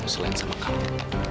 selain sama kamu